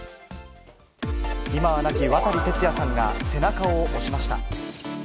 今は亡き渡哲也さんが、背中を押しました。